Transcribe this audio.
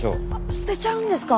捨てちゃうんですか？